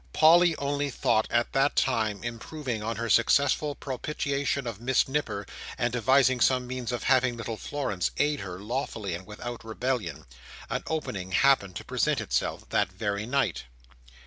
Polly only thought, at that time, of improving on her successful propitiation of Miss Nipper, and devising some means of having little Florence aide her, lawfully, and without rebellion. An opening happened to present itself that very night.